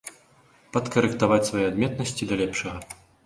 Падкарэктаваць свае адметнасці да лепшага.